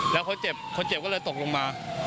แล้วคนเจ็บก็เลยตกลงมา